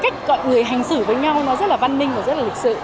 còn người hành xử với nhau nó rất là văn minh và rất là lịch sự